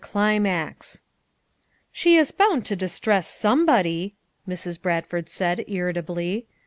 VXAX "She is hound to distress somebody/' Mrs. Bradford said irritably.